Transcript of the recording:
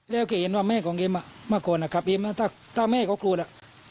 แล้วเขียนว่าแม่ของเอมเมื่อก่อนจับเอมถ้าแม่เขากลัวแล้ว